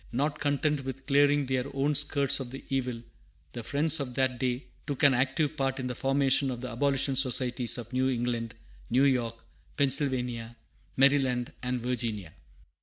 Not content with clearing their own skirts of the evil, the Friends of that day took an active part in the formation of the abolition societies of New England, New York, Pennsylvania, Maryland, and Virginia.